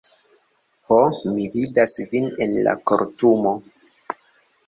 Ho, mi vidas vin en la kortumo.